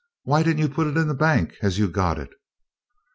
Why did n't you put it in the bank as you got it?"